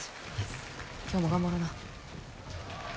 今日も頑張ろな。